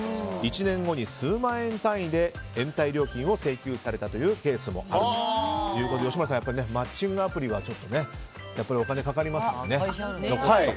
１年後に数万円単位で延滞料金を請求されたというケースもあるということで吉村さんマッチングアプリははい。